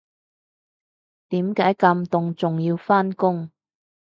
點解咁凍仲要返工